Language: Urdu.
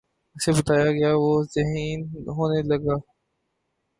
اُسے بتایا گیا وُہ ذہین ہونے لگا